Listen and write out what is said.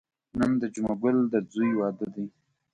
نن د جمعه ګل د ځوی واده دی.